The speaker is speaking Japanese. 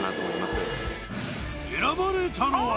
選ばれたのは。